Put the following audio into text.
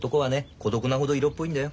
孤独なほど色っぽいんだよ。